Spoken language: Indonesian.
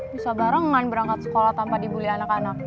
bisa barengan berangkat sekolah tanpa dibully anak anak